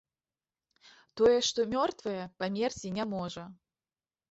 Тое, што мёртвае, памерці не можа.